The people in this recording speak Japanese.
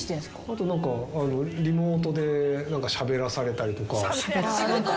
あと何かリモートでしゃべらされたりとか。